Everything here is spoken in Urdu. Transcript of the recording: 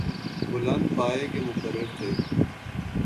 بلند پائے کے مقرر تھے۔